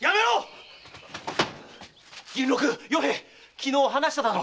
昨日話しただろ？